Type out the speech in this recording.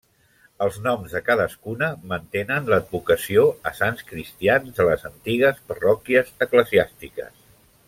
Els noms de cadascuna mantenen l'advocació a sants cristians de les antigues parròquies eclesiàstiques.